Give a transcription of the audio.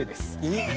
えっ？